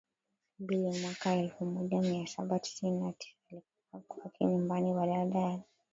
mbili mwaka elfu moja mia saba tisini na tisa alikufa kwake nyumbani Kabla ya